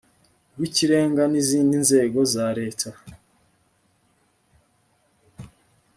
rw ikirenga n izindi nzego za leta